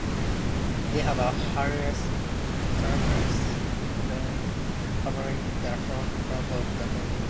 They have a hairless carapace covering the front part of the body.